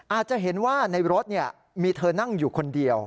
อาจจะเห็นว่าในรถมีเธอนั่งอยู่คนเดียว